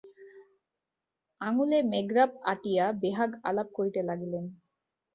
আঙুলে মেজরাপ আঁটিয়া বেহাগ আলাপ করিতে লাগিলেন।